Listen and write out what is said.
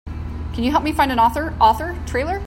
Can you help me find the Author! Author! trailer?